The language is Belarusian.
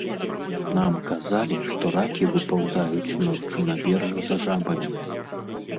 Нам казалі, што ракі выпаўзаюць ноччу на бераг за жабамі.